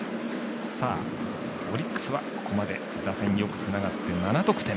オリックスはここまで打線よくつながって７得点。